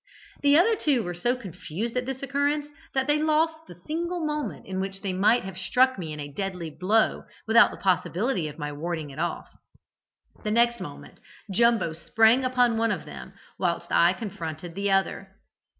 The other two were so confused at this occurrence, that they lost the single moment in which they might have struck me a deadly blow without the possibility of my warding it off. The next moment Jumbo sprang upon one of them, whilst I confronted the other.